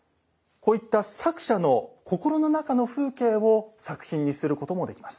こういった作者の心の中の風景を作品にすることもできます。